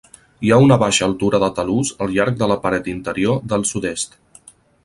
Hi ha una baixa altura de talús al llarg de la paret interior del sud-est.